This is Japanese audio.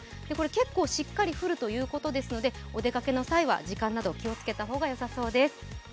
結構しっかり降るということですので、お出かけの際は時間など気をつけた方がよさそうです。